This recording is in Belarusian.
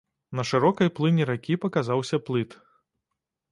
На шырокай плыні ракі паказаўся плыт.